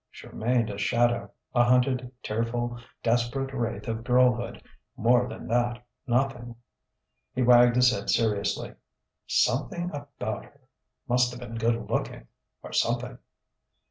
She remained a shadow a hunted, tearful, desperate wraith of girlhood: more than that, nothing. He wagged his head seriously. "Something about her!... Must've been good looking ... or something...."